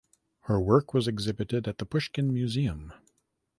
Her work was exhibited at the Pushkin Museum.